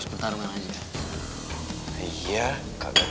sekarang kita bisa berpobat